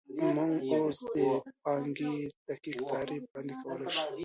موږ اوس د پانګې دقیق تعریف وړاندې کولی شو